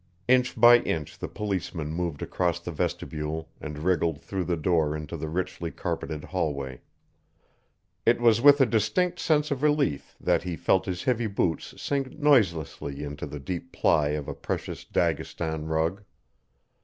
Inch by inch the policeman moved across the vestibule and wriggled through the door into the richly carpeted hallway. It was with a distinct sense of relief that he felt his heavy boots sink noiselessly into the deep ply of a precious Daghestan rug.